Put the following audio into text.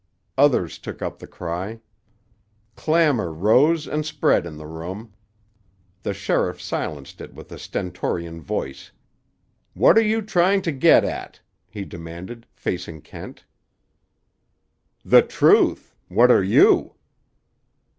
Others took up the cry. Clamor rose and spread in the room. The sheriff silenced it with a stentorian voice. "What are you trying to get at?" he demanded, facing Kent. "The truth. What are you?"